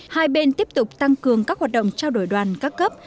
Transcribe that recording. hai bên tiếp tục tăng cường các hoạt động trao đổi đoàn các cấp